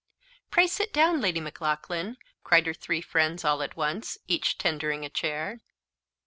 "Pray sit down, Lady Maclaughlan," cried her three friends all at once, each tendering a chair.